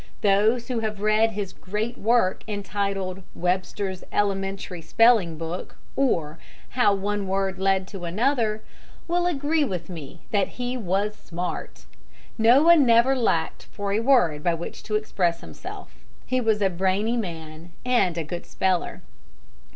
Those who have read his great work entitled "Webster's Elementary Spelling Book, or, How One Word Led to Another," will agree with me that he was smart. Noah never lacked for a word by which to express himself. He was a brainy man and a good speller.